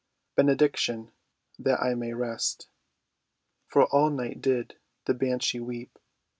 "Benediction, that I may rest, For all night did the Banshee weep."